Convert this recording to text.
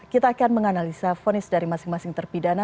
kita akan menganalisa fonis dari masing masing terpidana